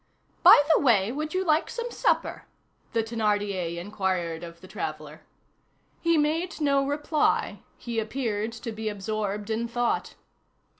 "By the way, would you like some supper?" the Thénardier inquired of the traveller. He made no reply. He appeared to be absorbed in thought.